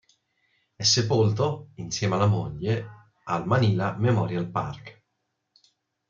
È sepolto, insieme alla moglie, al Manila Memorial Park.